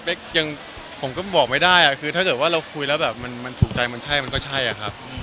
ยังผมก็บอกไม่ได้คือถ้าเกิดว่าเราคุยแล้วแบบมันถูกใจมันใช่มันก็ใช่อะครับ